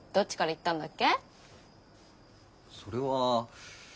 それは。